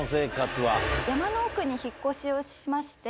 山の奥に引っ越しをしまして。